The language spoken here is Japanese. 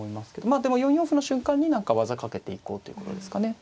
まあでも４四歩の瞬間に何か技かけていこうということですかね。